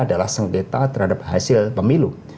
adalah sengketa terhadap hasil pemilu